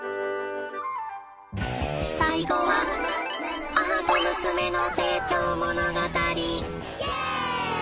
最後は母と娘の成長物語。